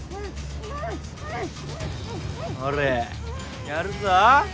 ほれやるぞ。